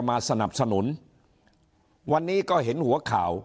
มาสนับสนุนวันนี้ก็เห็นหัวข่าว